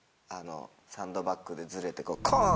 サンドバッグでずれてコン！